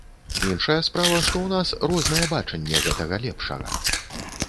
Іншая справа, што ў нас рознае бачанне гэтага лепшага.